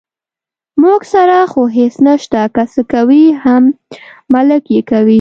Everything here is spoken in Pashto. موږ سره خو هېڅ نشته، که څه کوي هم ملک یې کوي.